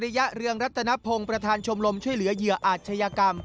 ระยะเรืองรัตนพงศ์ประธานชมรมช่วยเหลือเหยื่ออาชญากรรม